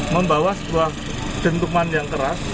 membawa sebuah dentuman yang keras